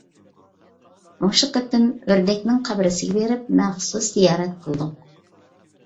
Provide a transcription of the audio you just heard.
مۇشۇ قېتىم ئۆردەكنىڭ قەبرىسىگە بېرىپ مەخسۇس زىيارەت قىلدۇق.